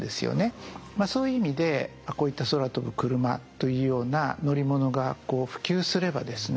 そういう意味でこういった空飛ぶクルマというような乗り物が普及すればですね